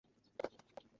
আমার ও কিছুই না।